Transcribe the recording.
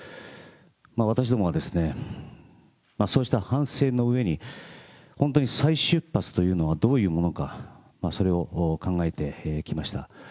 私どもはですね、そうした反省の上に、本当に再出発というのはどういうものか、それを考えてきました。